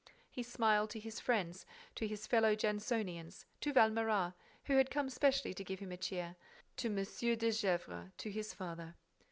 He smiled to his friends, to his fellow Jansonians, to Valméras, who had come specially to give him a cheer, to M. de Gesvres, to his father.